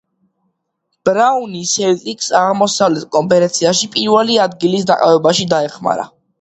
ბრაუნი სელტიკსს აღმოსავლეთ კონფერენციაში პირველი ადგილის დაკავებაში დაეხმარა.